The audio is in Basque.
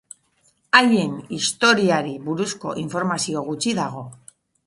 Haien historiari buruzko informazio gutxi dago.